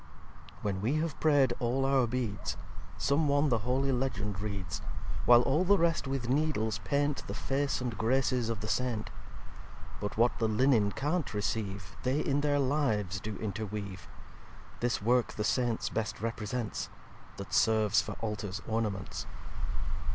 xvi "When we have prayed all our Beads, Some One the holy Legend reads; While all the rest with Needles paint The Face and Graces of the Saint. But what the Linnen can't receive They in their Lives do interweave. This Work the Saints best represents; That serves for Altar's Ornaments.